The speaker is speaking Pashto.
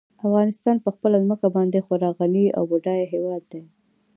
افغانستان په خپله ځمکه باندې خورا غني او بډای هېواد دی.